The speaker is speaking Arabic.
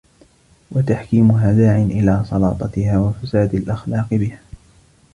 وَتَحْكِيمُهَا دَاعٍ إلَى سَلَاطَتِهَا وَفَسَادِ الْأَخْلَاقِ بِهَا